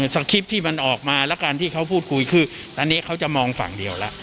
คริปต์ที่มันออกมาแล้วกันที่เขาพูดคุยคืออันนี้เขาจะมองฝั่งเดียวแล้ว